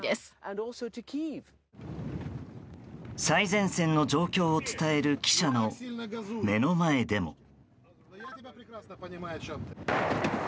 最前線の状況を伝える記者の目の前でも。